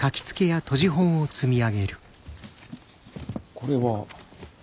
これは。